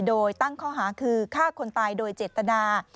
โดยตั้งข้อหาคือฆ่าคนตายโดยเจตนา